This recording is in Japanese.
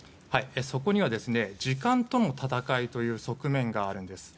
そこには時間との戦いという側面があります。